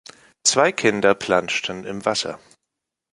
Zwei Kinder plantschen im Wasser.